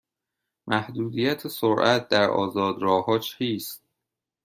محدودیت سرعت در آزاد راه ها چیست؟